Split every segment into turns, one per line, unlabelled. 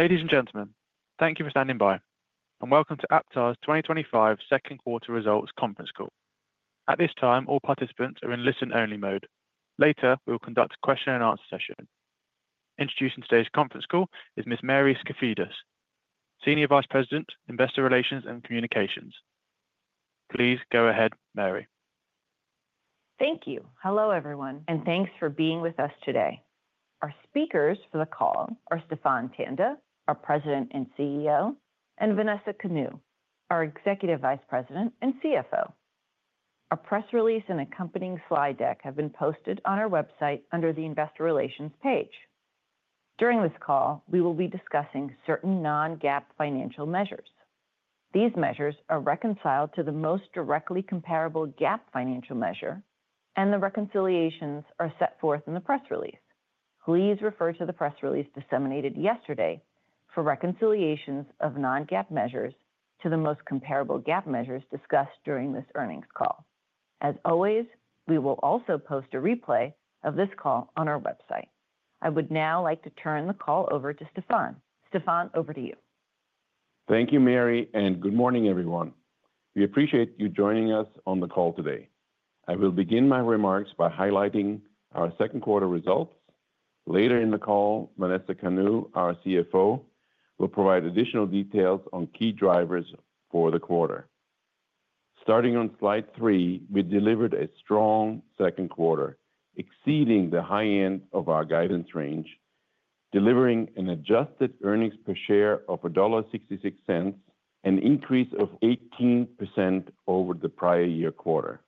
Ladies and gentlemen, thank you for standing by and welcome to AptarGroup's 2025 Q2 Results Conference Call. At this time, all participants are in listen-only mode. Later, we will conduct a question and answer session. Introducing today's conference call is Ms. Mary Skafidas, Senior Vice President, Investor Relations and Communications. Please go ahead, Mary.
Thank you. Hello everyone and thanks for being with us today. Our speakers for the call are Stephan Tanda, our President and CEO, and Vanessa Kanu, our Executive Vice President and CFO. A press release and accompanying slide deck have been posted on our website under the Investor Relations page. During this call we will be discussing certain non-GAAP financial measures. These measures are reconciled to the most directly comparable GAAP financial measure and the reconciliations are set forth in the press release. Please refer to the press release disseminated yesterday for reconciliations of non-GAAP measures to the most comparable GAAP measures discussed during this earnings call. As always, we will also post a replay of this call on our website. I would now like to turn the call over to Stephan. Stephan, over to you. Thank you, Mary, and good morning, everyone. We appreciate you joining us on the call today. I will begin my remarks by highlighting our Q2 results. Later in the call, Vanessa Kanu, our CFO, will provide additional details on key drivers for the quarter. Starting on slide three, we delivered a strong Q2, exceeding the high end of our guidance range, delivering an adjusted earnings per share of $1.66, an increase of 18% over the prior year quarter.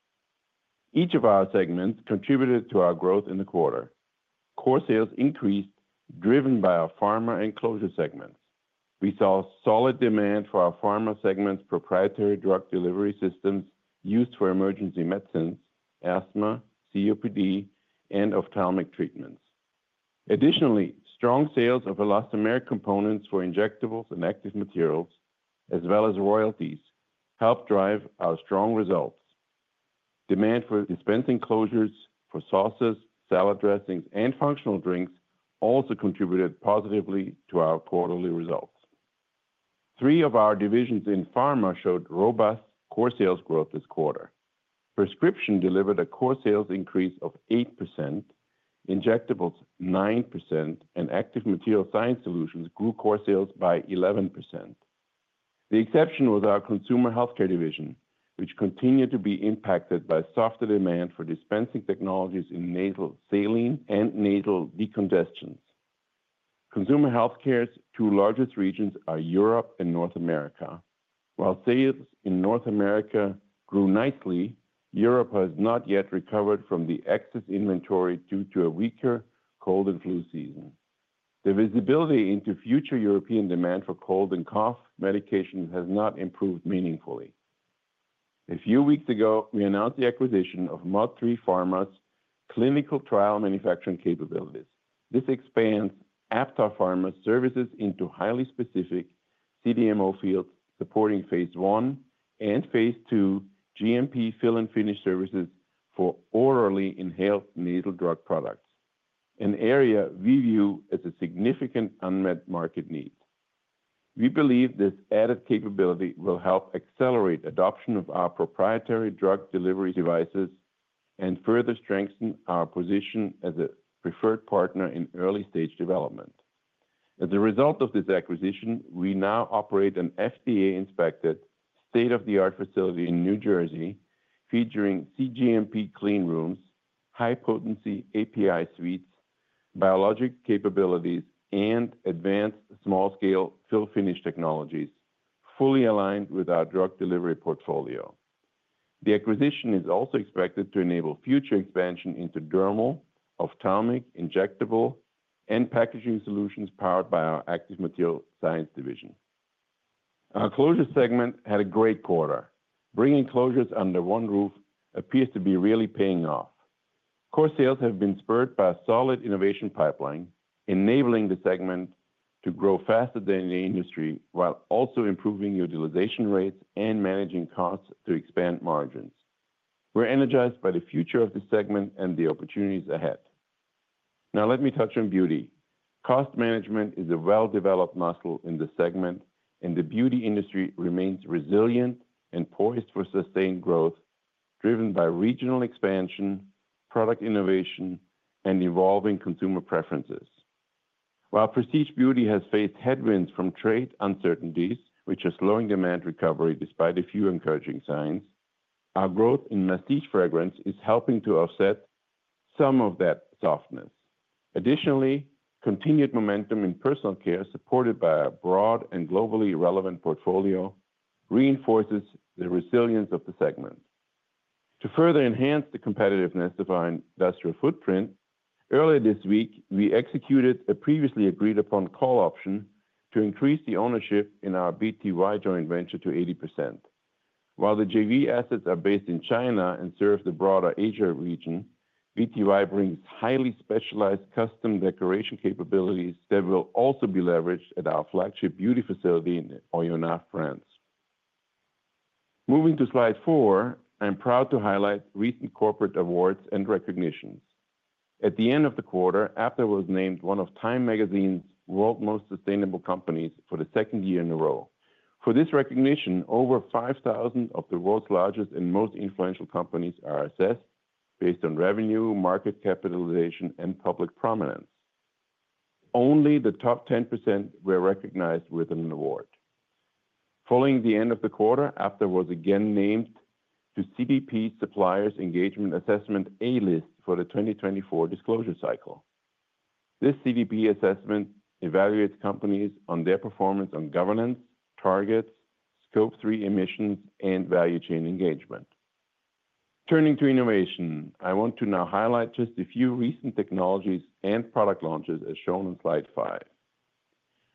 Each of our segments contributed to. Our growth in the quarter. Core sales increased driven by our Pharma and Closure segments. We saw solid demand for our Pharma segments, proprietary drug delivery systems used for emergency medicines, asthma, COPD, and ophthalmic treatments. Additionally, strong sales of elastomeric components for injectables and active materials as well as royalties helped drive our strong results. Demand for dispensing closures for sauces, salad dressings, and functional drinks also contributed positively to our quarterly results. Three of our divisions in Pharma showed robust core sales growth this quarter. Prescription delivered a core sales increase of 8.8%, injectables 9%, and active material science solutions grew core sales by 11%. The exception was our Consumer Healthcare division, which continued to be impacted by softer demand for dispensing technologies in nasal saline and nasal decongestants. Consumer Healthcare's two largest regions are Europe and North America. While sales in North America grew nicely, Europe has not yet recovered from the excess inventory due to a weaker cold and flu season. The visibility into future European demand for cold and cough medications has not improved meaningfully. A few weeks ago we announced the acquisition of MOD3 Pharma's clinical trial manufacturing capabilities. This expands Aptar Pharma's services into highly specific CDMO fields supporting Phase I and Phase II GMP fill and finish services for orally inhaled nasal drug products, an area we view as a significant unmet market need. We believe this added capability will help accelerate adoption of our proprietary drug delivery devices and further strengthen our position as a preferred partner in early stage development. As a result of this acquisition, we now operate an FDA-inspected state-of-the-art facility in New Jersey featuring cGMP cleanrooms, high-potency API suites, biologics capabilities, and advanced small-scale fill finish technologies fully aligned with our drug delivery portfolio. The acquisition is also expected to enable future expansion into dermal, ophthalmic, injectable, and packaging solutions. Powered by our Active Material Science division, our Closure segment had a great quarter. Bringing closures under one roof appears to be really paying off. Core sales have been spurred by a solid innovation pipeline, enabling the segment to grow faster than the industry while also improving utilization rates and managing costs to expand margins. We're energized by the future of this segment and the opportunities ahead. Now let me touch on Beauty. Cost management is a well-developed muscle in the segment, and the beauty industry remains resilient and poised for sustained growth driven by regional expansion, product innovation, and evolving consumer preferences. While Prestige Beauty has faced headwinds from trade uncertainties, which is slowing demand recovery, despite a few encouraging signs, our growth in masstige fragrance is helping to offset some of that softness. Additionally, continued momentum in personal care supported by a broad and globally relevant portfolio reinforces the resilience of the segment to further enhance the competitiveness of our industrial footprint. Earlier this week, we executed a previously agreed upon call option to increase the ownership in our BTY joint venture to 80%. While the JV assets are based in China and serve the broader Asia region, BTY brings highly specialized custom decoration capabilities that will also be leveraged at our flagship beauty facility in Ollona, France. Moving to slide four, I'm proud to highlight recent corporate awards and recognitions. At the end of the quarter, AptarGroup was named one of Time magazine's World's Most Sustainable Companies for the second year in a row. For this recognition, over 5,000 of the world's largest and most influential companies are assessed based on revenue, market capitalization, and public prominence. Only the top 10% were recognized with an award. Following the end of the quarter, AptarGroup was again named to CDP Suppliers Engagement Assessment A List for the 2024 disclosure cycle. This CDP assessment evaluates companies on their performance on governance targets, scope 3 emissions, and value chain engagement. Turning to innovation, I want to now highlight just a few recent technologies and product launches as shown in slide Five.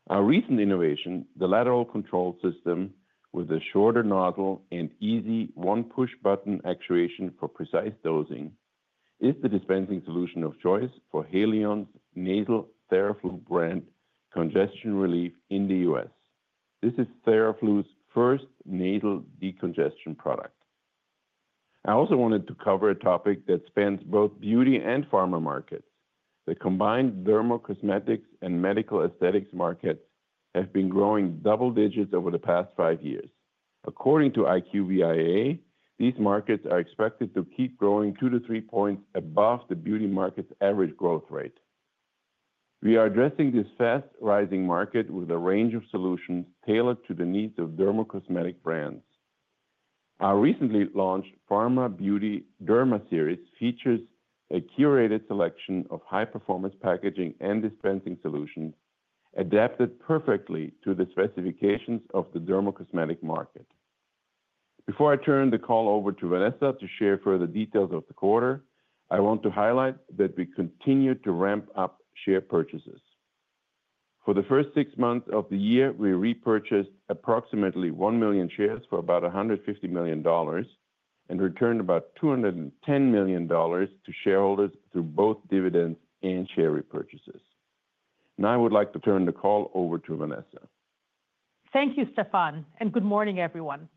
Our recent innovation, the lateral control system with a shorter nozzle and easy one-push button actuation for precise dosing, is the dispensing solution of choice for Haleon's nasal Theraflu brand congestion relief in the U.S. This is Theraflu's first nasal decongestion product. I also wanted to cover a topic. That spans both beauty and pharma markets. The combined dermal cosmetics and medical aesthetics markets have been growing double-digits over the past five years, according to IQVIA. These markets are expected to keep growing 2points-3 points above the beauty market's average growth rate. We are addressing this fast rising market with a range of solutions tailored to the needs of derma cosmetic brands. Our recently launched Pharma Beauty Derma series features a curated selection of high performance packaging and dispensing solutions adapted perfectly to the specifications of the derma cosmetic market. Before I turn the call over to Vanessa to share further details of the quarter, I want to highlight that we continue to ramp-up share repurchases for the first six months of the year. We repurchased approximately 1 million shares for about $150 million and returned about $210 million to shareholders through both dividends and share repurchases. Now I would like to turn the call over to Vanessa.
Thank you, Stephan, and good morning, everyone.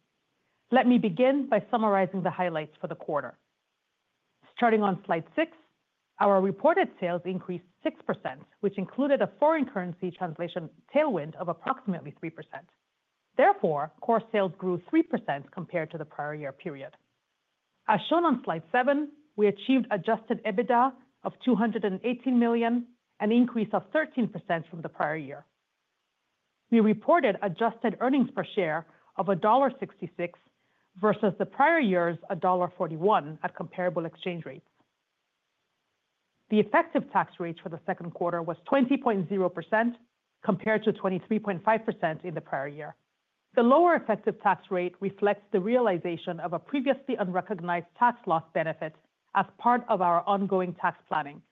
Let me begin by summarizing the highlights for the quarter, starting on slide six. Our reported sales increased 6%, which included a foreign currency translation tailwind of approximately 3%. Therefore, core sales grew 3% compared to the prior year period. As shown on slide 7, we achieved adjusted EBITDA of $218 million, an increase of 13% from the prior year. We reported adjusted earnings per share of $1.66 versus the prior year's $1.41. At comparable exchange rates, the effective tax rate for the Q2 was 20.0% compared to 23.5% in the prior year. The lower effective tax rate reflects the realization of a previously unrecognized tax loss benefit as part of our ongoing tax planning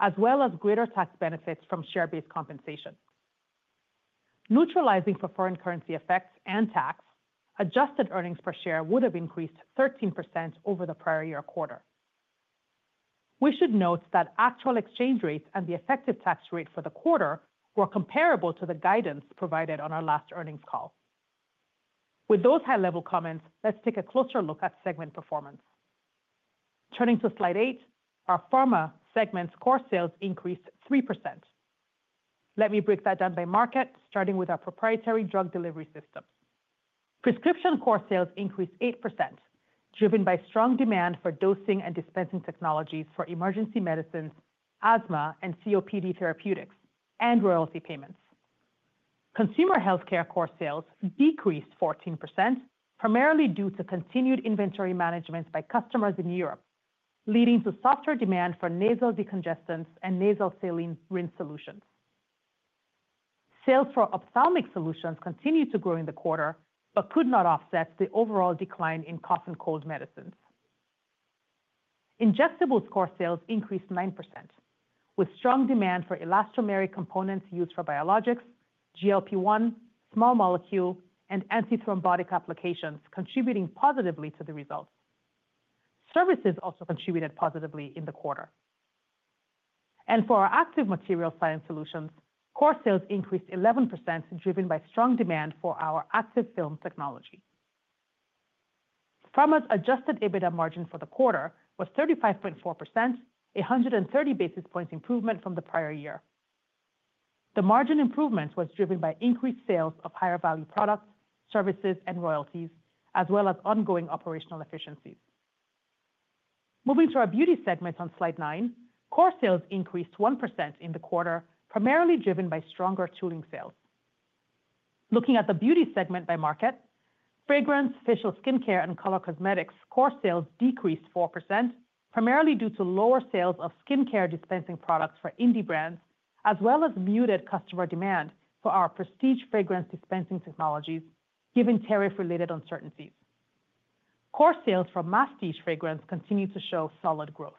as well as greater tax benefits from share-based compensation. Neutralizing for foreign currency effects and tax, adjusted earnings per share would have increased 13% over the prior year quarter. We should note that actual exchange rates and the effective tax rate for the quarter were comparable to the guidance provided on our last earnings call. With those high-level comments, let's take a closer look at segment performance. Turning to slide 8, our Pharma segment's core sales increased 3%. Let me break that down by market. Starting with our proprietary drug delivery system, prescription core sales increased 8% driven by strong demand for dosing and dispensing technologies for emergency medicines, asthma and COPD therapeutics, and royalty payments. Consumer healthcare core sales decreased 14% primarily due to continued inventory management by customers in Europe, leading to softer demand for nasal decongestants and nasal saline rinse solutions. Sales for ophthalmic solutions continued to grow in the quarter but could not offset the overall decline in cough and cold medicines. Injectables core sales increased 9% with strong demand for elastomeric components used for biologics, GLP-1, small molecule, and antithrombotic applications contributing positively to the results. Services also contributed positively in the quarter, and for our active material science solutions, core sales increased 11% driven by strong demand for our active film technology. Pharma's adjusted EBITDA margin for the quarter was 35.4%, a 130 basis points improvement from the prior year. The margin improvement was driven by increased sales of higher value products, services, and royalties as well as ongoing operational efficiencies. Moving to our Beauty segment on Slide nine, core sales increased 1% in the quarter, primarily driven by stronger tooling sales. Looking at the beauty segment by market, fragrance, facial skin care, and color cosmetics core sales decreased 4%, primarily due to lower sales of skin care dispensing products for indie brands as well as muted customer demand for our prestige fragrance dispensing technologies. Given tariff-related uncertainties, core sales from masstige fragrance continue to show solid growth.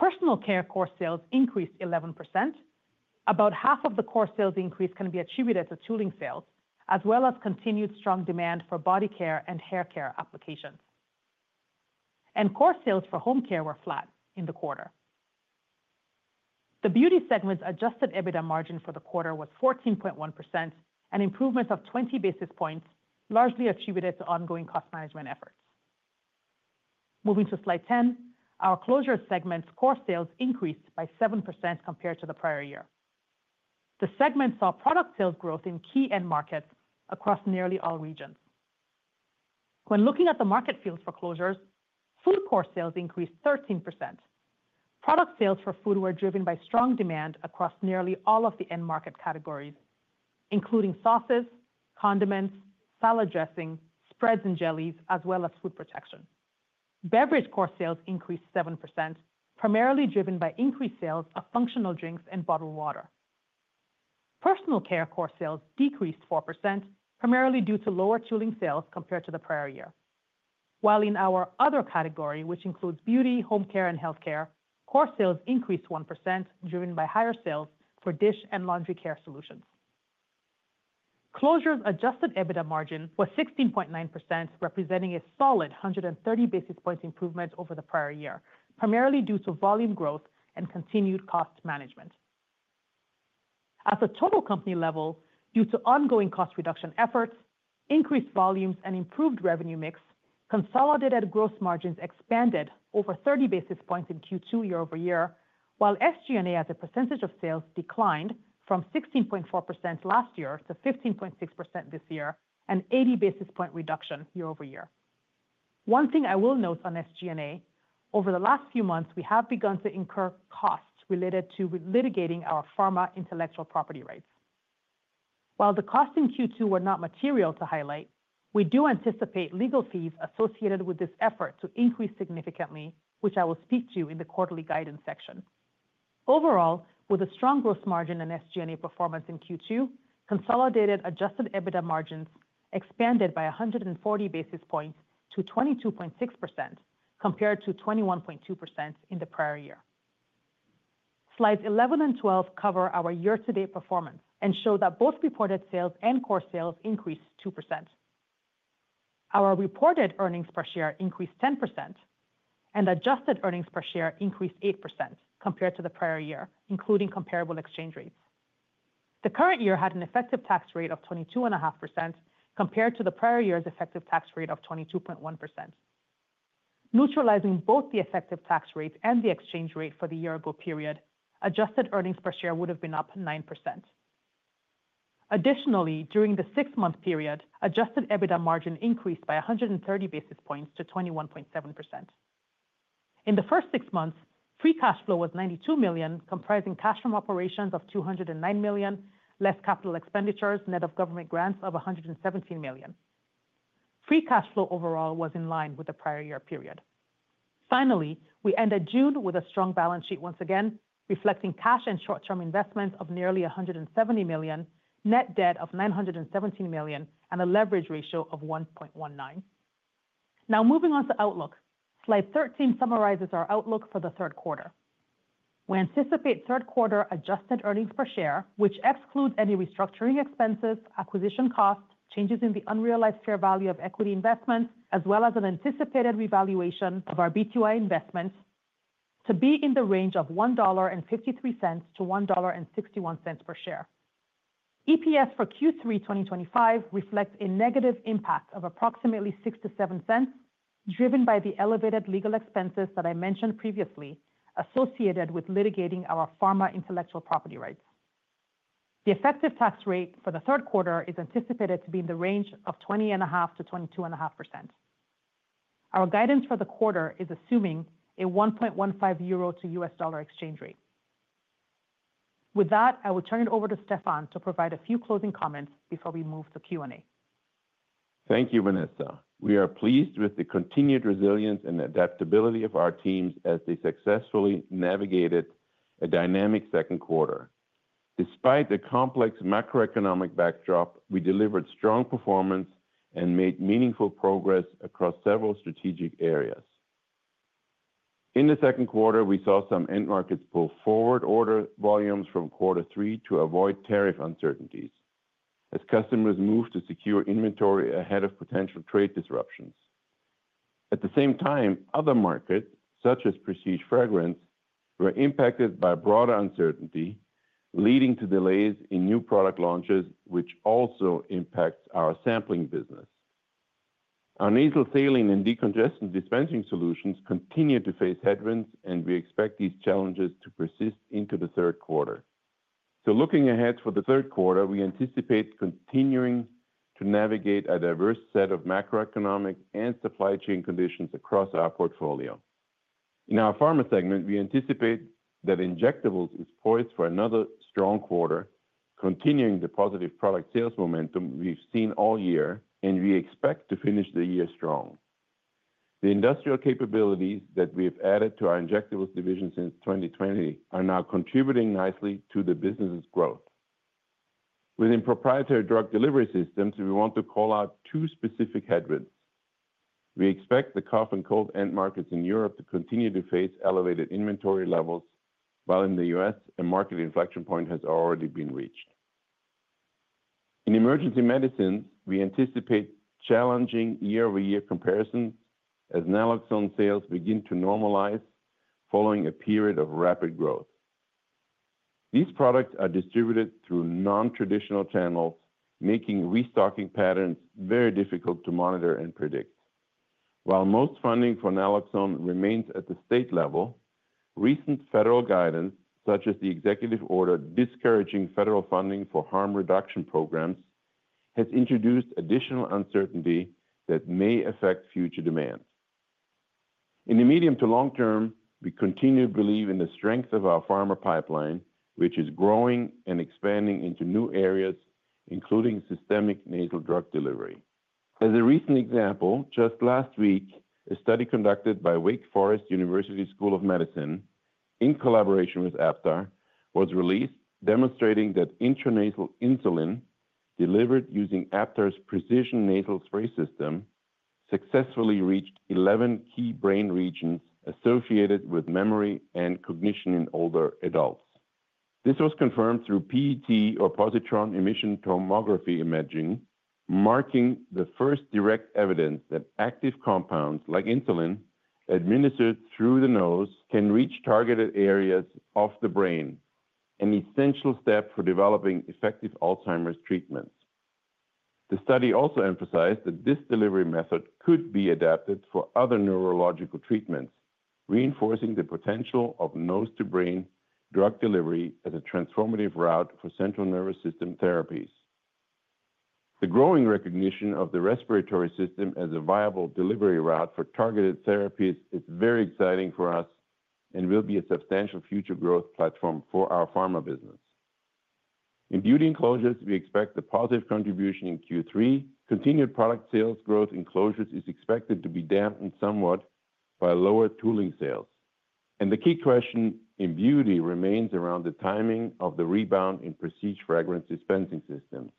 Personal care core sales increased 11%. About half of the core sales increase can be attributed to tooling sales as well as continued strong demand for body care and hair care applications, and core sales for home care were flat in the quarter. The Beauty segment's adjusted EBITDA margin for the quarter was 14.1%, an improvement of 20 basis points, largely attributed to ongoing cost management efforts. Moving to Slide 10, our Closures segment's core sales increased by 7% compared to the prior year. The segment saw product sales growth in key end markets across nearly all regions. When looking at the market fields for Closures, food core sales increased 13%. Product sales for food were driven by strong demand across nearly all of the end market categories, including sauces, condiments, salad dressing, spreads, and jellies, as well as food protection. Beverage core sales increased 7%, primarily driven by increased sales of functional drinks and bottled water. Personal care core sales decreased 4%, primarily due to lower tooling sales compared to the prior year, while in our other category, which includes Beauty, home care, and healthcare, core sales increased 1%, driven by higher sales for dish and laundry care solutions. Closures' adjusted EBITDA margin was 16.9%, representing a solid 130 basis points improvement over the prior year, primarily due to volume growth and continued cost management at the total company level. Due to ongoing cost reduction efforts, increased volumes, and improved revenue mix, consolidated gross margins expanded over 30 basis points in Q2 year-over-year, while SG&A as a percentage of sales declined from 16.4% last year to 15.6% this year, an 80 basis point reduction year-over-year. One thing I will note on SG&A, over the last few months we have begun to incur costs related to litigating our pharma intellectual property rights. While the cost in Q2 were not material to highlight, we do anticipate legal fees associated with this effort to increase significantly, which I will speak to in the quarterly guidance section. Overall, with a strong gross margin and SGA performance in Q2, consolidated adjusted EBITDA margins expanded by 140 basis points to 22.6% compared to 21.2% in the prior year. Slides 11 and 12 cover our year to date performance and show that both reported sales and core sales increased 2%. Our reported earnings per share increased 10% and adjusted earnings per share increased 8% compared to the prior year, including comparable exchange rates. The current year had an effective tax rate of 22.5% compared to the prior year's effective tax rate of 22.1%. Neutralizing both the effective tax rate and the exchange rate for the year ago period, adjusted earnings per share would have been up 9%. Additionally, during the six month period, adjusted EBITDA margin increased by 130 basis points to 21.7% in the first six months. Free cash flow was $92 million, comprising cash from operations of $209 million, less capital expenditures net of government grants of $117 million. Free cash flow overall was in line with the prior year period. Finally, we ended June with a strong balance sheet once again, reflecting cash and short term investments of nearly $170 million, net debt of $917 million and a leverage ratio of 1.19. Now moving on to outlook, Slide 13 summarizes our outlook for the Q3. We anticipate Q3 adjusted earnings per share, which excludes any restructuring expenses, acquisition cost changes in the unrealized fair value of equity investments, as well as an anticipated revaluation of our B2I investments, to be in the range of $1.53-$1.61 per share. EPS for Q3 2025 reflects a negative impact of approximately $0.06-$0.07, driven by the elevated legal expenses that I mentioned previously associated with litigating our pharma intellectual property rights. The effective tax rate for the Q3 is anticipated to be in the range of 20.5%-22.5%. Our guidance for the quarter is assuming a 1.15 Euro to U.S. $ exchange rate. With that, I will turn it over to Stephan to provide a few closing comments before we move to Q&A.
Thank you, Vanessa. We are pleased with the continued resilience and adaptability of our teams as they successfully navigated a dynamic Q2. Despite the complex macroeconomic backdrop, we delivered strong performance and made meaningful progress across several strategic areas. In the Q2, we saw some end markets pull forward order volumes from quarter three to avoid tariff uncertainty as customers move to secure inventory ahead of potential trade disruptions. At the same time, other markets such as Prestige Fragrance were impacted by broader uncertainty, leading to delays in new product launches, which also impacts our sampling business. Our nasal saline and decongestant dispensing solutions continue to face headwinds, and we expect these challenges to persist into the Q3. Looking ahead for the Q3, we anticipate continuing to navigate a diverse set of macroeconomic and supply chain conditions across our portfolio. In our Pharma segment, we anticipate that Injectables is poised for another strong quarter, continuing the positive product sales momentum we've seen all year, and we expect to finish the year strong. The industrial capabilities that we have added to our Injectables division since 2020 are now contributing nicely to the business growth within proprietary drug delivery systems. We want to call out two specific headwinds. We expect the cough and cold end markets in Europe to continue to face elevated inventory levels, while in the U.S. a market inflection point has already been reached in emergency medicines. We anticipate challenging year-over-year comparisons as naloxone sales begin to normalize following a period of rapid growth. These products are distributed through non-traditional channels, making restocking patterns very difficult to monitor and predict. While most funding for naloxone remains at the state level, recent federal guidance such as the Executive Order discouraging federal funding for harm reduction programs has introduced additional uncertainty that may affect future demand in the medium-long term. We continue to believe in the strength of our Pharma pipeline, which is growing and expanding into new areas, including systemic nasal drug delivery. As a recent example, just last week a study conducted by Wake Forest University School of Medicine in collaboration with Aptar was released demonstrating that intranasal insulin delivered using Aptar's precision nasal spray system successfully reached 11 key brain regions associated with memory and cognition in older adults. This was confirmed through PET, or positron emission tomography, imaging, marking the first direct evidence that active compounds like insulin administered through the nose can reach targeted areas of the brain, an essential step for developing effective Alzheimer's treatments. The study also emphasized that this delivery method could be adapted for other neurological treatments, reinforcing the potential of nose-to-brain drug delivery as a transformative route for central nervous system therapies. The growing recognition of the respiratory system. As a viable delivery route for targeted. Therapies is very exciting for us and will be a substantial future growth platform for our pharma business. In beauty enclosures, we expect a positive contribution in Q3, continued product sales growth. Enclosures is expected to be dampened somewhat by lower tooling sales, and the key question in beauty remains around the timing of the rebound in prestige fragrance dispensing systems.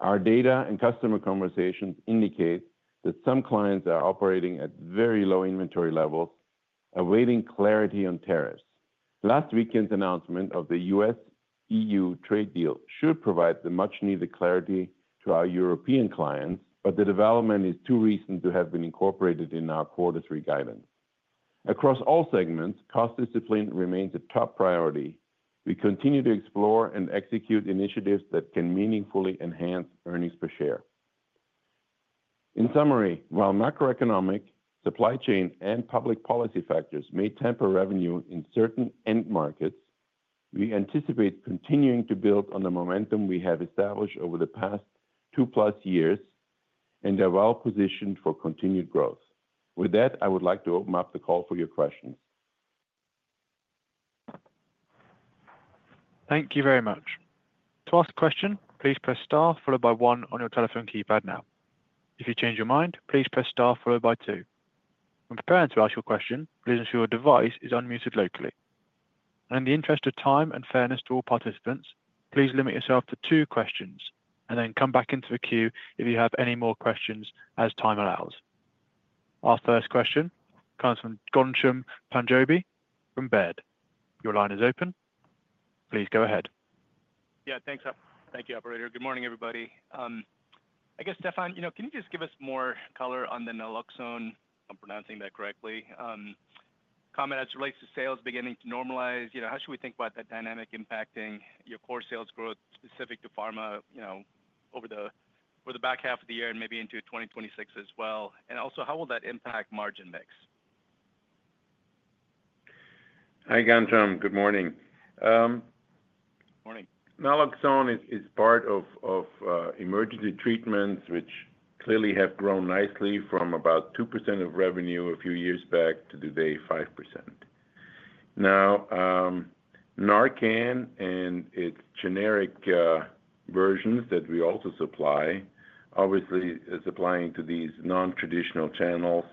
Our data and customer conversations indicate that. Some clients are operating at very low. Inventory levels awaiting clarity on tariffs. Last weekend's announcement of the U.S. EU trade deal should provide the much needed clarity to our European clients, but the development is too recent to have been. Incorporated in our quarter. Guidance across all segments, cost discipline remains a top priority. We continue to explore and execute initiatives that can meaningfully enhance earnings per share. In summary, while macroeconomic, supply chain, and public policy factors may temper revenue in certain end markets, we anticipate continuing to build on the momentum we have established over the past two plus years and are well positioned for continued growth. With that, I would like to open up the call for your questions.
Thank you very much. To ask a question, please press star followed by one on your telephone keypad. If you change your mind, please press star followed by two. When preparing to ask your question, please ensure your device is unmuted locally. In the interest of time and fairness to all participants, please limit yourself to two questions and then come back into the queue if you have any more questions as time allows. Our first question comes from Ghansham Panjabi from Baird. Your line is open, please go ahead.
Yeah, thanks. Thank you, operator. Good morning everybody. I guess, Stephan, you know, can you just give us more color on the naloxone? I'm pronouncing that correctly. Comment as it relates to sales beginning to normalize. How should we think about that dynamic impacting your core sales growth specific to pharma over the back half of the year and maybe into 2026 as well. Also, how will that impact margin mix?
Hi Ghansham, good morning. Naloxone is part of emergency treatments, which clearly have grown nicely from about 2% of revenue a few years back to today, 5%. Now Narcan and its generic versions that we also supply obviously is applying to. These non-traditional channels.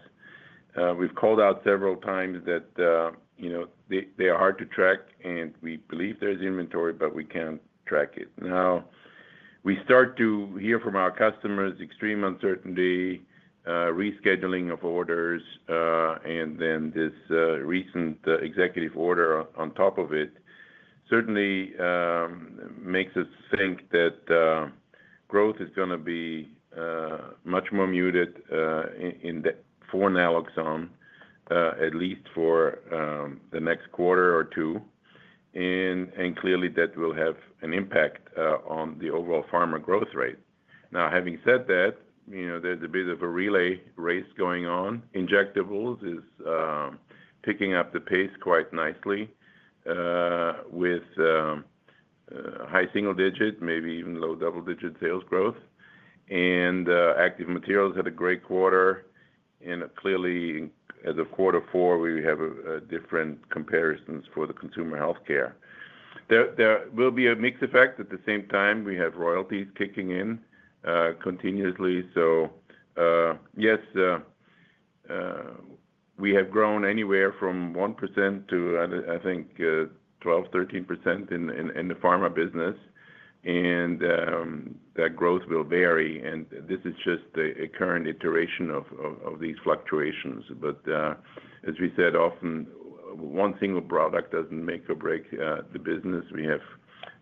We've called out several times that, you know, they are hard to track and we believe there's inventory but we can't track it. Now we start to hear from our customers, extreme uncertainty, rescheduling of orders, and this recent executive order on top of it certainly makes us think that growth is going to be much more muted for naloxone, at least for the next quarter or two. Clearly that will have an impact on the overall pharma growth rate. Having said that, there's a bit of a relay race going on. Injectables is picking up the pace quite nicely with high single-digit, maybe even low double-digit sales growth. Active Materials had a great quarter and clearly as of quarter four, we have different comparisons for the consumer healthcare. There will be a mix effect. At the same time, we have royalties kicking in continuously. Yes, we have grown anywhere from 1% to I think 12%, 13% in the pharma business. That growth will vary. This is just a current iteration of these fluctuations. As we said, often one single product doesn't make or break the business. We have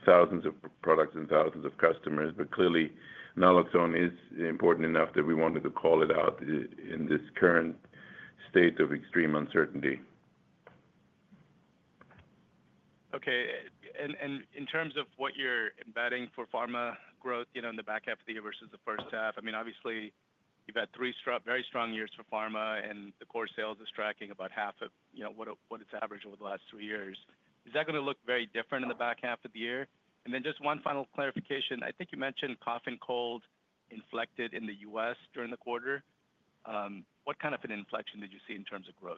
thousands of products and thousands of customers. Clearly naloxone is important enough that we wanted to call it out in this current state, state of extreme uncertainty.
Okay, and in terms of what you're betting for pharma growth in the back half of the year versus the first half, obviously you've had three very strong years for pharma and the core sales is tracking about half of what it's averaged over the last three years. Is that going to look very different in the back half of the year? Just one final clarification, I think you mentioned cough and cold and inflected in the U.S. during the quarter. What kind of an inflection did you see in terms of growth?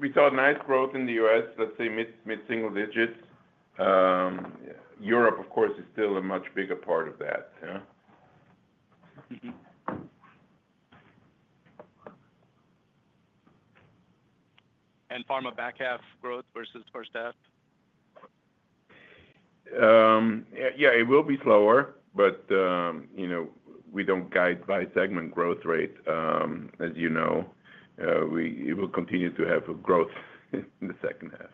We saw nice growth in the U.S., let's say mid-single-digits. Europe, of course, is still a much bigger part of that.
Pharma back half growth versus first half.
Yeah, it will be slower, but you know, we don't guide by segment growth rate. As you know, we will continue to have growth in the second half.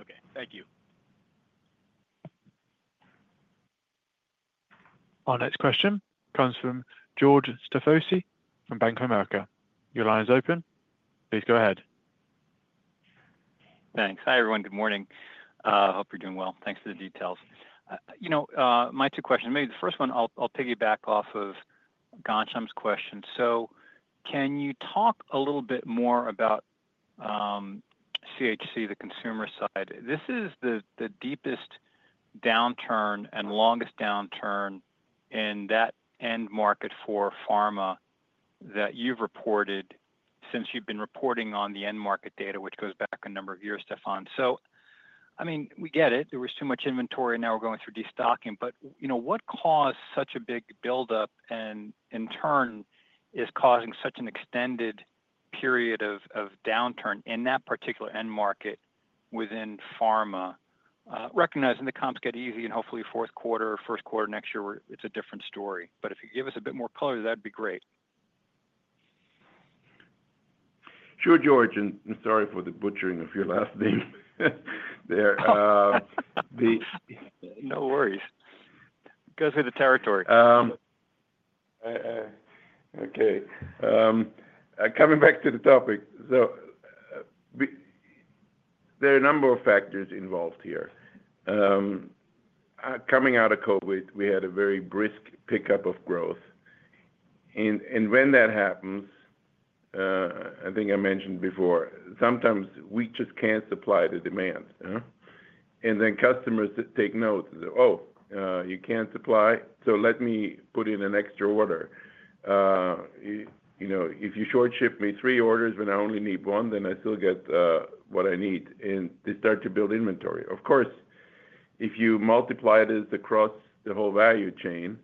Okay, thank you.
Our next question comes from George Staphos from Bank of America. Your line is open. Please go ahead.
Thanks. Hi everyone. Good morning. Hope you're doing well. Thanks for the details. You know my two questions. Maybe the first one, I'll piggyback off of Ghansham's question. Can you talk a little bit more about CHC, the consumer side? This is the deepest downturn and longest downturn in that end market for pharma that you've reported since you've been reporting on the end market data, which goes back a number of years, Stephan. We get it, there was too much inventory. Now we're going through destocking. What caused such a big buildup and in turn is causing such an extended period of downturn in that particular end market within pharma? Recognizing the comps get easy and hopefully Q4 or Q1 next year it's a different story. If you give us a bit more color, that'd be great.
Sure, George. Sorry for the butchering of your last name there.
No worries, go through the territory.
Okay, coming back to the topic. So. There are a number of factors involved here. Coming out of COVID, we had a very brisk pickup of growth. When that happens, I think I mentioned before, sometimes we just can't supply the demand, and then customers take notes. Oh, you can't supply. Let me put in an extra order. If you short ship me three orders. When I only need one, then I still get what I need, and they start to build inventory. Of course, if you multiply this across the whole value chain,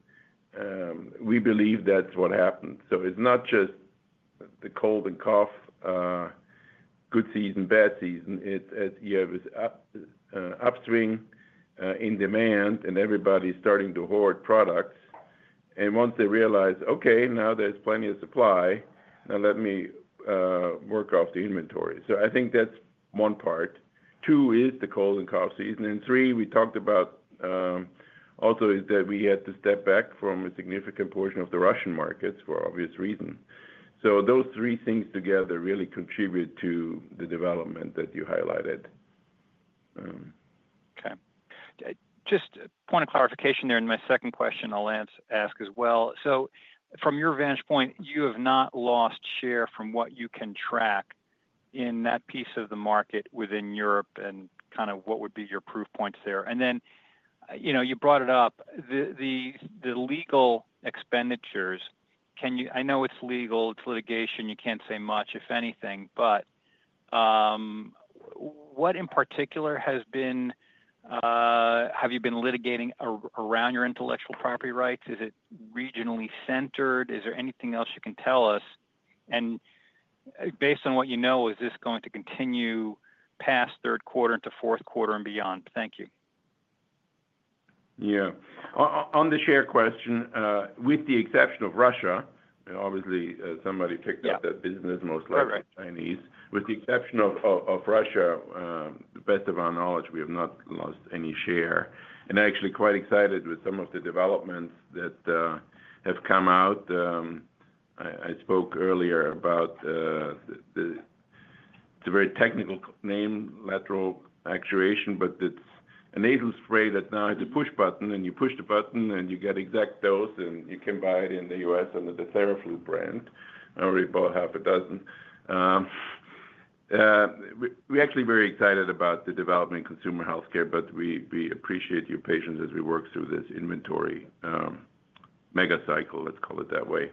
we believe that's what happens. It's not just the cold and cough good season, bad season, you have this upswing in demand and everybody's starting to hoard products. Once they realize, okay, now there's plenty of supply, now let me work off the inventory. I think that's one part. Two is the cold and cough season. Three we talked about also is that we had to step back from a significant portion of the Russian markets for obvious reason. Those three things together really contribute to the development that you highlighted.
Okay, just point of clarification there in my second question, I'll ask as well. From your vantage point, you have not lost share from what you can track in that piece of the market within Europe, and what would be your proof points there? You brought up the legal expenditures. I know it's legal, it's litigation, you can't say much, if anything. What in particular have you been litigating around your intellectual property rights? Is it regionally centered? Is there anything else you can tell us? Based on what you know, is this going to continue past Q3, into Q4 and beyond? Thank you.
Yeah. On the share question, with the exception of Russia, obviously somebody picked up that business, most likely Chinese. With the exception of Russia, to the best of our knowledge, we have not lost any share and actually quite excited with some of the developments that have come out. I spoke earlier about, it's a very technical name, lateral actuation, but it's a nasal spray that now has a push button and you push the button and you get exact dose and you can buy it in the U.S. under the Theraflu brand. I already bought half a dozen. We're actually very excited about the development in consumer healthcare. We appreciate your patience as we work through this inventory mega cycle, let's call it that way.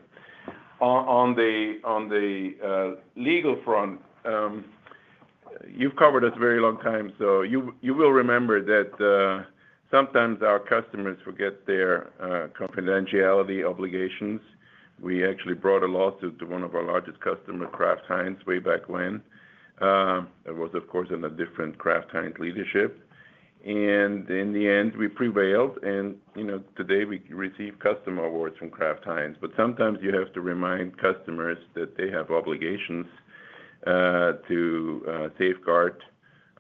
On the legal front, you've covered us a very long time, so you will remember that sometimes our customers forget their confidentiality obligations. We actually brought a lawsuit to one of our largest customers, Kraft Heinz, way back when. It was of course in a different Kraft Heinz leadership. In the end we prevailed. Today we receive customer awards from Kraft Heinz. Sometimes you have to remind customers that they have obligations to safeguard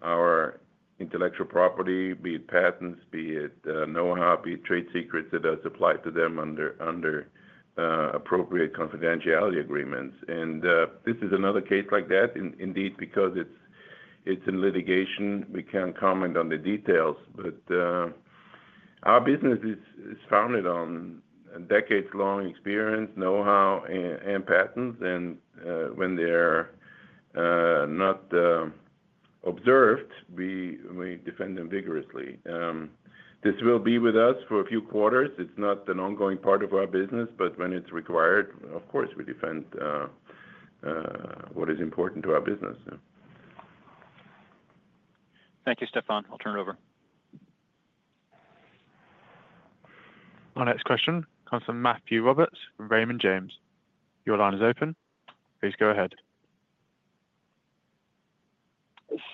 our intellectual property, be it patents, be it know-how, be it trade secrets that are supplied to them under appropriate confidentiality agreements. This is another case like that. Indeed, because it's in litigation, we can't comment on the details, but our business is founded on decades-long experience, know-how and patents. When they're not observed, we defend them vigorously. This will be with us for a few quarters. It's not an ongoing part of our business, but when it's required, of course we defend what is important to our business.
Thank you, Stephan. I'll turn it over.
Our next question comes from Matthew Roberts, Raymond James, your line is open. Please go ahead.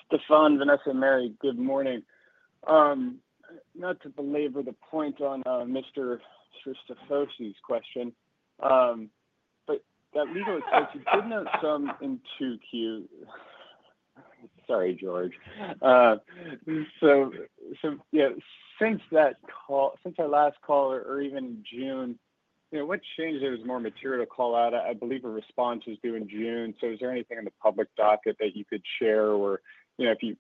Stephan, Vanessa, Mary, good morning. Not to belabor the point on Mr. Staphos's question, but that legal exception did note some in 2Q. Sorry, George. Since our last call, or even June, you know what changed? There was more material to call out. I believe a response is due in June. Is there anything in the public docket that you could share, or if you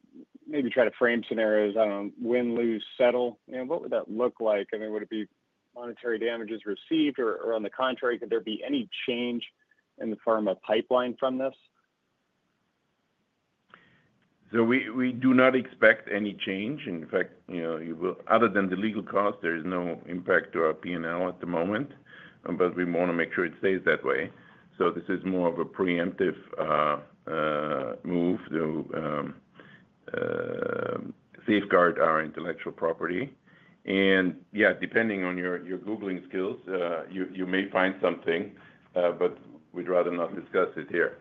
maybe try to frame scenarios, win, lose, settle, what would that look like? Would it be monetary damages received, or on the contrary, could there be any change in the pharma pipeline from this?
We do not expect any change. In fact, other than the legal cost, there is no impact to our P&L at the moment. We want to make sure it stays that way. This is more of a preemptive move to safeguard our intellectual property. Depending on your googling skills, you may find something. We'd rather not discuss it here.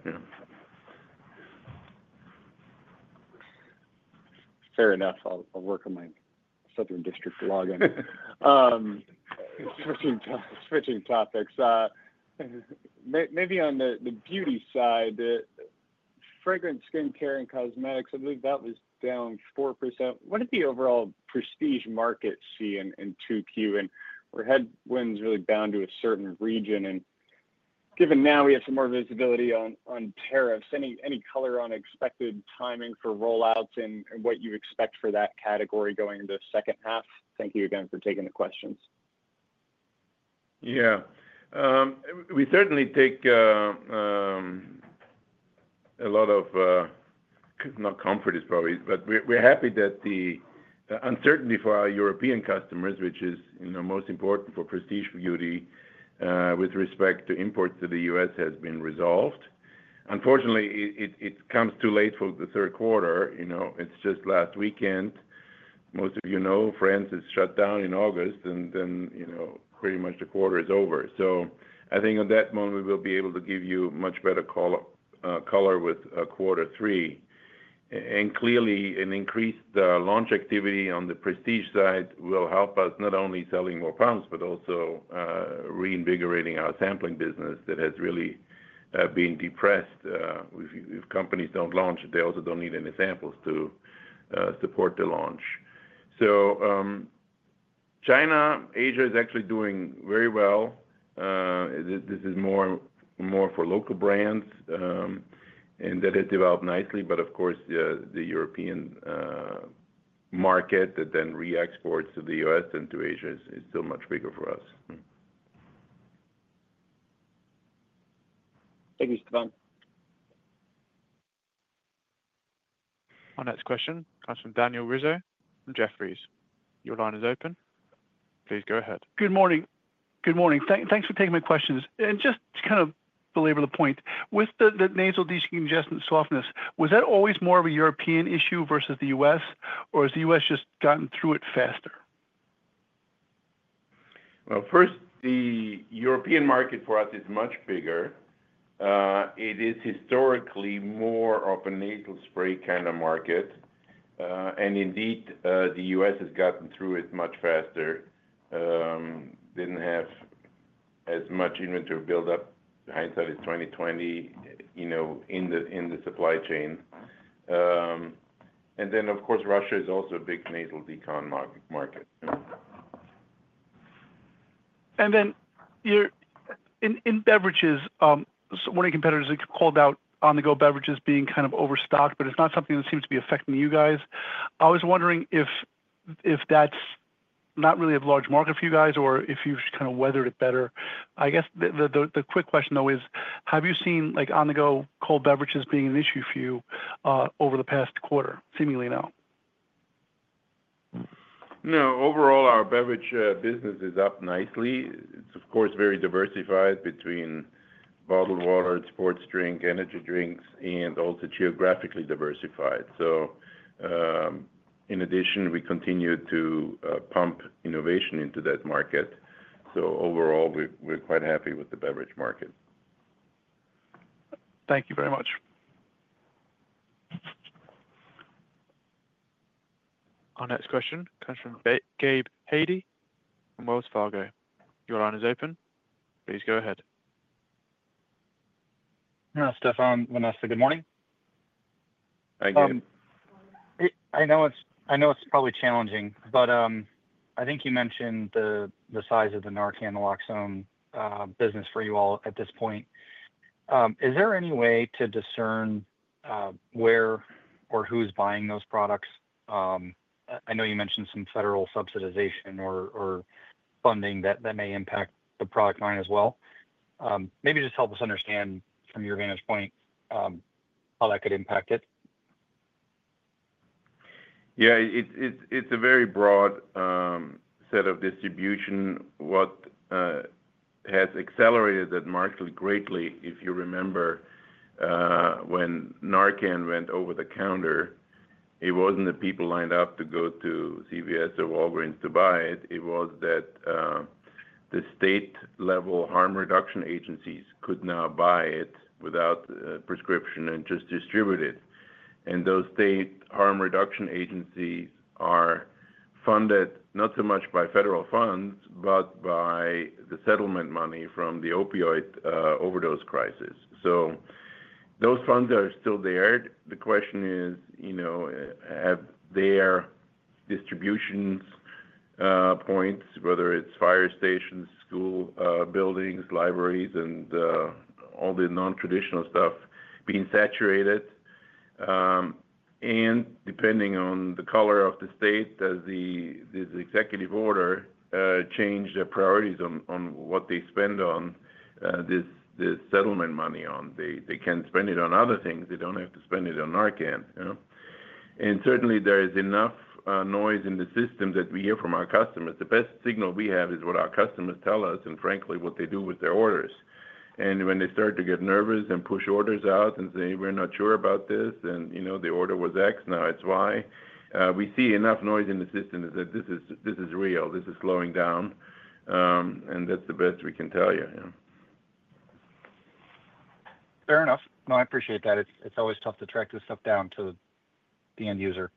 Fair enough. I'll work on my Southern District login. Switching topics. Maybe on the beauty side, fragrance, skin care and cosmetics. I believe that was down 4%. What did the overall prestige market see in 2Q? Were headwinds really bound to a certain region? Given now we have some more visibility on tariffs, any color on expected timing for rollouts and what you expect for that category going into the second half. Thank you again for taking the questions.
Yeah, we certainly take a lot of, not comfort probably, but we're happy that the uncertainty for our European customers, which is, you know, most important for prestige beauty with respect to imports to the U.S., has been resolved. Unfortunately, it comes too late for the Q3. You know, it's just last weekend. Most of, you know, France is shut down in August and then, you know, pretty much the quarter is over. I think on that one we will be able to give you much better color with Q3. Clearly, an increase in the launch activity on the prestige side will help us not only selling more pumps, but also reinvigorating our sampling business that has really been depressed. If companies don't launch, they also don't need any samples to support the launch. China, Asia is actually doing very well. This is more for local brands and that developed nicely. Of course, the European market that then re-exports to the U.S. and to Asia is still much bigger for us.
Thank you, Stephan.
Our next question comes from Daniel Rizzo with Jefferies. Your line is open. Please go ahead. Good morning. Good morning.
Thanks for taking my questions and just kind of belabor the point with the nasal decongestant softness. Was that always more of a European issue versus the U.S., or has the U.S. just gotten through it faster?
The European market for us is much bigger. It is historically more of a nasal spray kind of market. Indeed, the U.S. has gotten through it much faster and didn't have as much inventory buildup. Hindsight is 20/20, you know, in the supply chain. Of course, Russia is also. A big nasal drug delivery market.
You're in beverages. One of your competitors called out on-the-go beverages being kind of overstocked, but it's not something that seems to be affecting you guys. I was wondering if that's not really a large market for you guys or if you kind of weathered it better. I guess the quick question is have you seen on-the-go cold beverages being an issue for you over the past quarter? Seemingly no.
No. Overall, our beverage business is up nicely. It's of course very diversified between bottled water, sports drink, energy drinks, and also geographically diversified. In addition, we continue to pump innovation into that market. Overall, we're quite happy with the beverage market.
Thank you very much.
Our next question comes from Gabe Hady from Wells Fargo. Your line is open. Please go ahead.
Stephan, Vanessa, good morning. I know it's probably challenging, but I think you mentioned the size of the Narcan naloxone business for you all at this point. Is there any way to discern where or who's buying those products? I know you mentioned some federal subsidization or funding that may impact the product line as well. Maybe just help us understand from your vantage point how that could impact it.
Yeah, it's a very broad set of distribution. What has accelerated that market greatly? If you remember, when Narcan went over the counter, it wasn't the people lined up to go to CVS or Walgreens to buy it. It was that the state-level harm reduction agencies could now buy it without prescription and just distribute it. Those state harm reduction agencies are funded not so much by federal funds, but by the settlement money from the opioid overdose crisis. Those funds are still there. The question is, have their distribution points, whether it's fire stations, school buildings, libraries, and all the non-traditional stuff, been saturated and depending on the color of the state. Does the executive order change their priorities on what they spend the settlement money on? They can spend it on other things; they don't have to spend on Narcan. There is enough noise in the system that we hear from our customers. The best signal we have is what our customers tell us and, frankly, what they do with their orders and when they start to get nervous and push orders out and say we're not sure about this. The order was X, now it's Y. We see enough noise in the system that this is real, this is slowing down, and that's the best we can tell you.
Fair enough. No, I appreciate that. It's always tough to track this stuff down to the end user.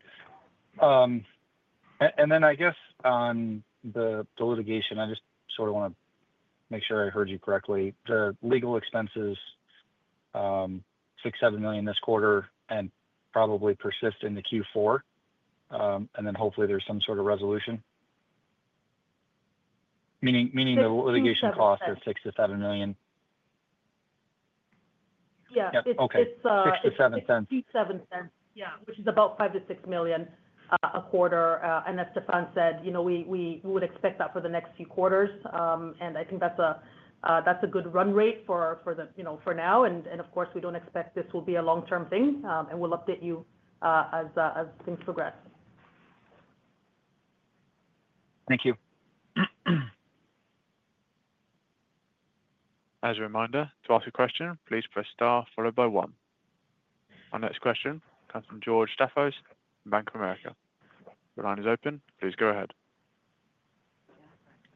I guess on the litigation, I just want to make sure I heard you correctly. The legal expenses, $6.7 million this quarter and probably persist in Q4, and hopefully there's some sort of resolution. Meaning the litigation costs are $6-$7 million?
Yes. Okay.
$0.06-$0.07.
Yeah, which is about $5 million-$6 million a quarter. As Stephan said, you know, we would expect that for the next few quarters. I think that's a good run rate for now. Of course, we don't expect this will be a long-term thing. We'll update you as progress.
Thank you.
As a reminder to ask a question, please press star followed by one. Our next question comes from George Staphos, Bank of America. The line is open. Please go ahead.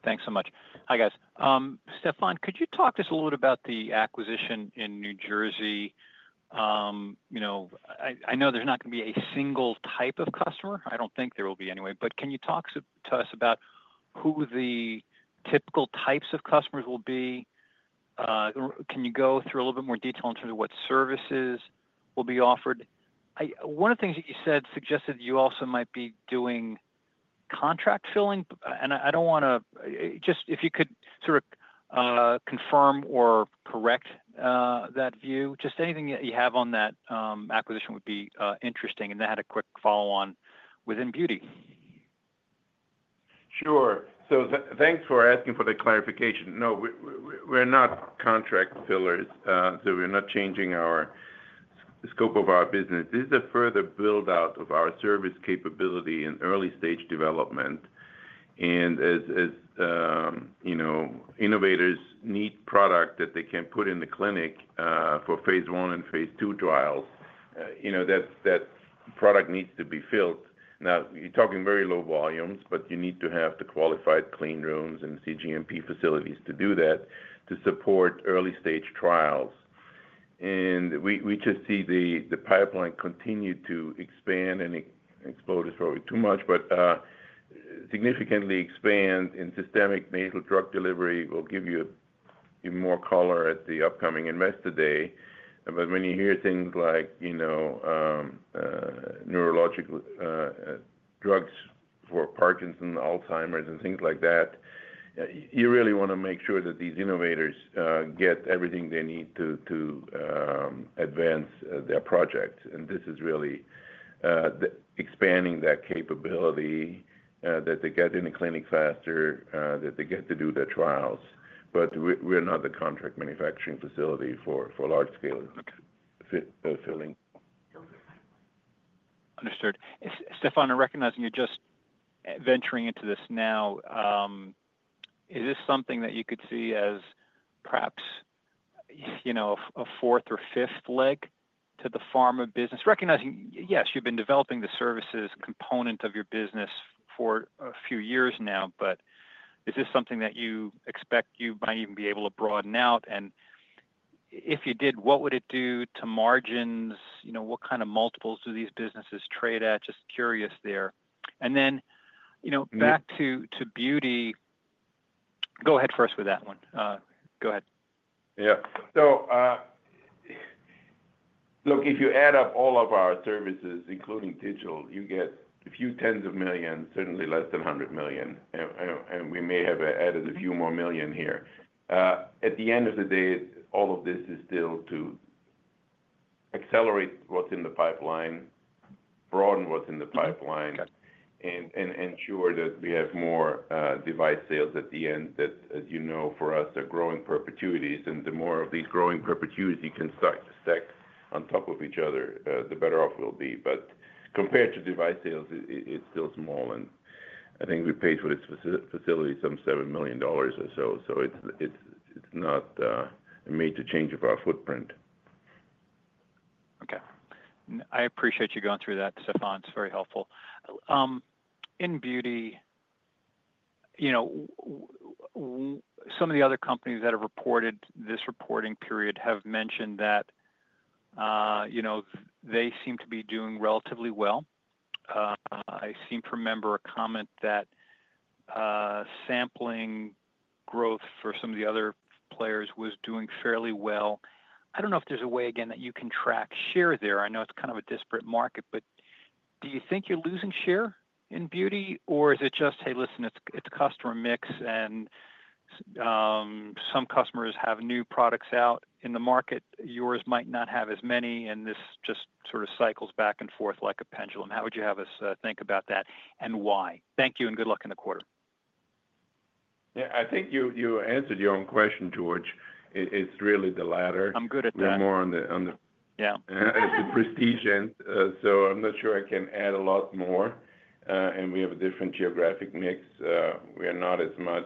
Thanks so much. Hi guys. Stephan, could you talk to us a little bit about the acquisition in New Jersey? I know there's not going to be a single type of customer. I don't think there will be anyway. Can you talk to us about who the typical types of customers will be? Can you go through a little bit more detail in terms of what services will be offered? One of the things that you said suggested you also might be doing contract filling. I don't want to just if you could sort of confirm or correct that view, just anything that you have on that acquisition would be interesting. I had a quick follow on within Beauty.
Sure. Thank you for asking for the clarification. No, we're not contract fillers, so we're not changing our scope of our business. This is a further build out of our service capability in early stage development. As you know, innovators need product that they can put in the clinic for phase I and phase II trials. That product needs to be filled. Now, you're talking very low volumes, but you need to have the qualified clean rooms and cGMP facilities to do that to support early stage trials. We just see the pipeline continue to expand, and explode is probably too much, but significantly expand in systemic nasal drug delivery. We will give you even more color at the upcoming investor day. When you hear things like neurological drugs for Parkinson's, Alzheimer's and things like that, you really want to make sure that these innovators get everything they need to advance their project. This is really expanding that capability that they get in the clinic faster, that they get to do their trials. We're not the contract manufacturing facility for large scale filling.
Understood. Stephan, I recognize you're just venturing into this now. Is this something that you could see as perhaps, you know, a fourth or fifth leg to the pharma business? Yes, you've been developing the services component of your business for a few years now. Is this something that you expect you might even be able to broaden out? If you did, what would it do to margins? What kind of multiples do these businesses trade at? Just curious there. Back to beauty. Go ahead first with that one. Go ahead.
Yeah. So. Look, if you add up all. Of our services, including digital, you get a few 10's of millions, certainly less than $100 million. We may have added a few more million here. At the end of the day, all. This is still to accelerate what's. In the pipeline, broaden what's in the pipeline, and ensure that we have more device sales at the end. That, as you know, for us are growing perpetuities. The more of these growing perpetuity can stack on top of each other, the better off we'll be. Compared to device sales, it's still small. I think we paid for this facility some $7 million or so. It's not a major change of our foot.
Okay. I appreciate you going through that, Stephan. It's very helpful in beauty. You know, some of the other companies that have reported this reporting period have mentioned that they seem to be doing relatively well. I seem to remember a comment that sampling growth for some of the other players was doing fairly well. I don't know if there's a way, again, that you can track share there. I know it's kind of a disparate market, but do you think you're losing share in beauty or is it just, hey, listen, it's customer mix. And. Some customers have new products out in the market, yours might not have as many. This just sort of cycles back and forth like a pendulum. How would you have us think about that and why? Thank you and good luck in the quarter.
I think you answered your own question, George. It's really the latter.
I'm good at that.
Prestige end, I'm not sure I can add a lot more. We have a different geographic mix. We are not as much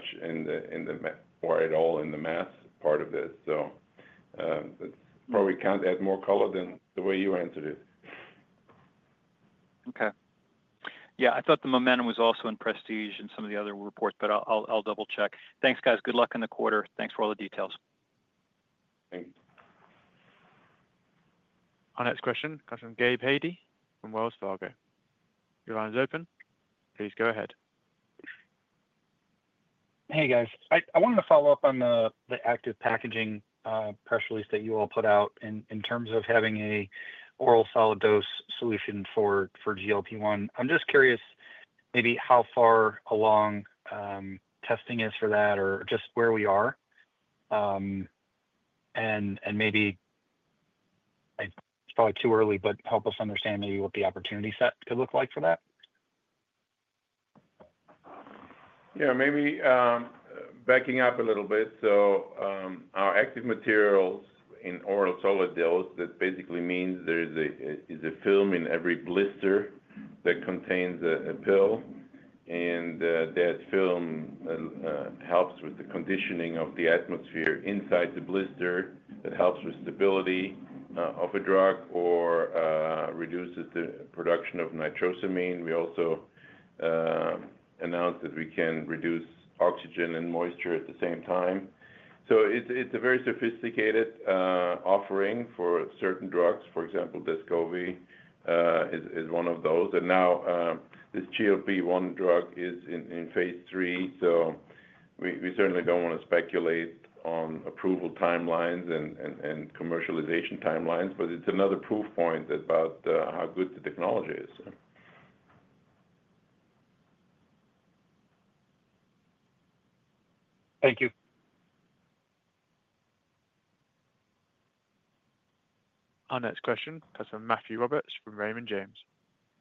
or at all in the mass part of this, so probably can't add more color than the way you answered it.
Okay. Yeah, I thought the momentum was also in prestige and some of the other reports, but I'll double check. Thanks, guys. Good luck in the quarter. Thanks for all the details.
Our next question comes from Gabe Hady from Wells Fargo. Your line is open. Please go ahead.
Hey guys, I wanted to follow up on the active packaging press release that you all put out in terms of having an oral solid dose solution for GLP-1. I'm just curious maybe how far along testing is for that or just where we are, and maybe it's probably too early, but help us understand maybe what the opportunity set could look like for that.
Maybe backing up a little bit. Our active materials in oral solid dose basically means there is a film in every blister that contains a pill, and that film helps with the conditioning of the atmosphere inside the blister. That helps with stability of a drug or reduces the production of nitrosamine. We also announced that we can reduce oxygen and moisture at the same time. It's a very sophisticated offering for certain drugs. For example, Descovy is one of those. Now this GLP-1 drug is in phase III. We certainly don't want to speculate on approval timelines and commercialization timelines, but it's another proof point about how good the technology is.
Thank you.
Our next question comes from Matthew Roberts from Raymond James.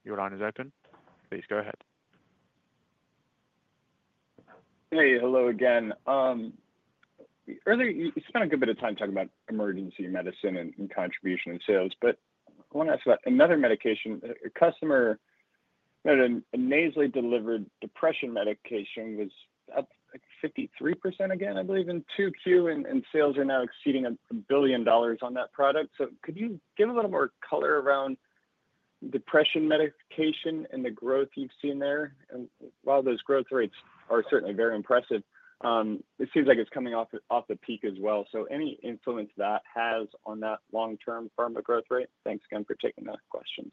Your line is open. Please go ahead.
Hey. Hello again. Earlier you spent a good bit of time talking about emergency medicine and contribution and sales. I want to ask about another medication. A customer nasally delivered depression medication was up 53%. I believe in Q2 and sales are now exceeding $1 billion on that product. Could you give a little more color around depression medication and the growth you've seen there? While those growth rates are certainly very impressive, it seems like it's coming off the peak as well. Any influence that has on that long term pharma growth rate? Thanks again for taking those questions.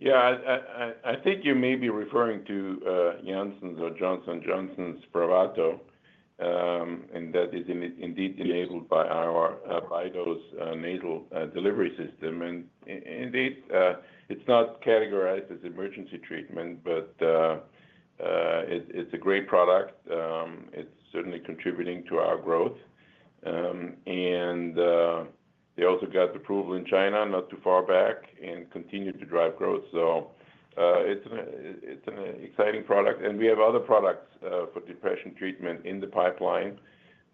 Yeah, I think you may be referring to Janssen's or Johnson & Johnson's Bravado, and that is indeed enabled by our Bidose nasal delivery system. It is not categorized as emergency treatment, but it's a great product. It's certainly contributing to our growth. They also got approval in China not too far back and continue to drive growth. It's an exciting product, and we have other products for depression treatment in the pipeline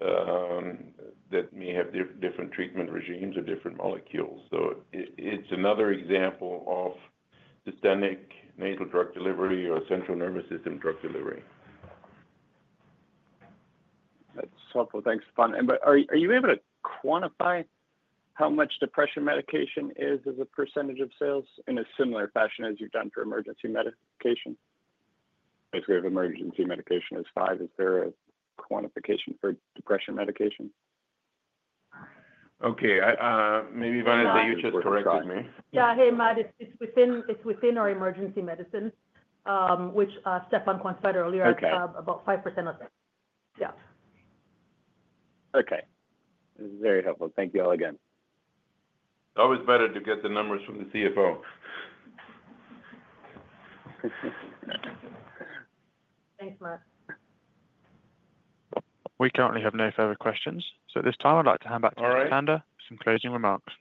that may have different treatment regimes or different molecules. It's another example of systemic nasal drug delivery or central nervous system drug delivery.
That's helpful, thanks. Are you able to quantify how much depression medication is as a % of sales in a similar fashion as you've done for emergency medication? Basically, if emergency medication is 5%, is there a quantification for depression medication?
Okay, maybe. Vanessa, you just corrected me.
Yeah. Hey Matt, it's within our emergency medicine, which Stephan quantified earlier. About 5% of them. Yeah.
Okay. This is very helpful. Thank you all again.
Always better to get the numbers from the CFO.
Thanks, Matt.
We currently have no further questions, so at this time I'd like to hand back to Stephan Tanda for some closing remarks.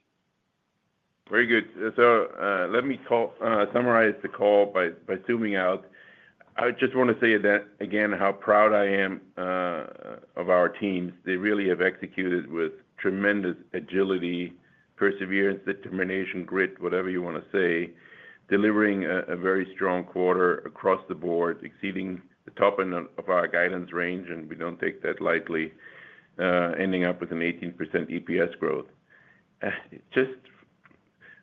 Very good. Let me summarize the call by zooming out. I just want to say again how proud I am of our teams. They really have executed with tremendous agility, perseverance, determination, grit, whatever you want to say, delivering a very strong quarter across the board, exceeding the top end of our guidance range. We do not take that lightly, ending up with an 18% EPS growth. Just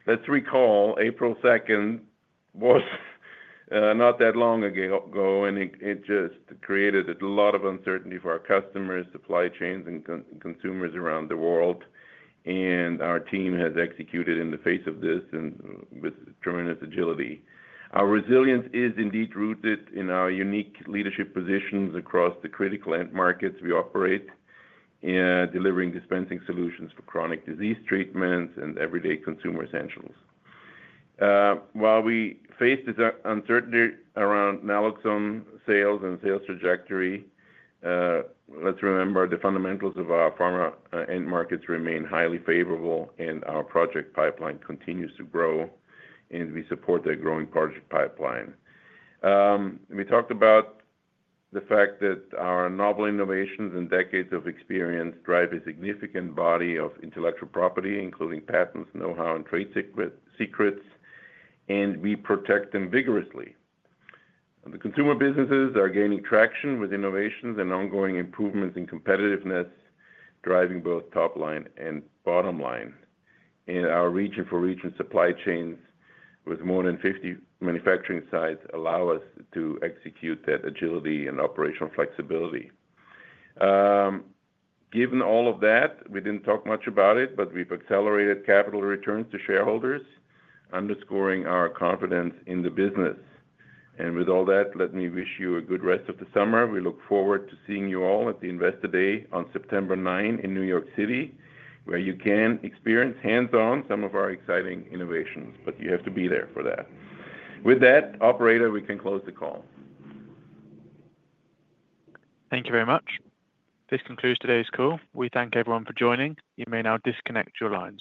let's recall April 2 was not that long ago and it created a lot of uncertainty for our customers, supply chains, and consumers around the world. Our team has executed in the face of this with tremendous agility. Our resilience is indeed rooted in our unique leadership positions across the critical end markets we operate, delivering dispensing solutions for chronic disease treatments and everyday consumer essentials. While we face this uncertainty around naloxone sales and sales trajectory, let's remember the fundamentals of our pharma end markets remain highly favorable and our project pipeline continues to grow. We support the growing project pipeline. We talked about the fact that our novel innovations and decades of experience drive a significant body of intellectual property, including patents, know-how, and trade secrets, and we protect them vigorously. The consumer businesses are gaining traction with innovations and ongoing improvements in competitiveness, driving both top line and bottom line in our region. For region supply chains with more than 50 manufacturing sites allow us to execute that agility and operational flexibility. Given all of that, we did not talk much about it, but we have accelerated capital returns to shareholders, underscoring our confidence in the business. With all that, let me wish you a good rest of the summer. We look forward to seeing you all at the Investor Day on September 9 in New York City where you can experience hands on some of our exciting innovations. You have to be there for that. With that, operator, we can close the call.
Thank you very much. This concludes today's call. We thank everyone for joining. You may now disconnect your lines.